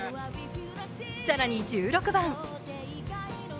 更に１６番。